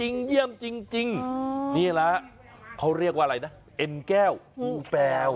นี่แหละเขาเรียกว่าอะไรนะเอ็นแก้วหูแปลว